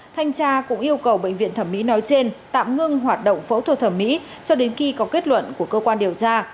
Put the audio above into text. thanh tra cũng yêu cầu bệnh viện thẩm mỹ nói trên tạm ngưng hoạt động phẫu thuật thẩm mỹ cho đến khi có kết luận của cơ quan điều tra